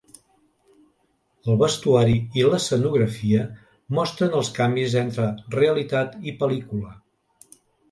El vestuari i l'escenografia mostren els canvis entre realitat i pel·lícula.